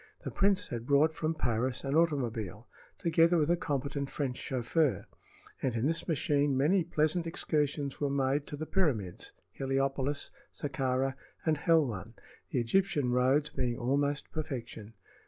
The prince had brought from Paris an automobile, together with a competent French chauffeur, and in this machine many pleasant excursions were made to the pyramids, Heliopolis, Sakkara and Helwan, the Egyptian roads being almost perfection.